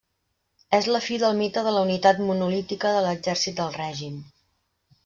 És la fi del mite de la unitat monolítica de l'exèrcit del règim.